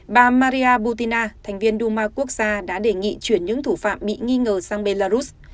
bà maria butina thành viên duma quốc gia đã đề nghị chuyển những thủ phạm bị nghi ngờ sang belarus